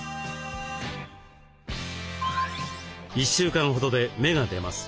１週間ほどで芽が出ます。